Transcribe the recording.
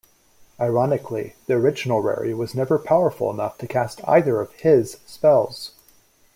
Ironically, the original Rary was never powerful enough to cast either of "his" spells.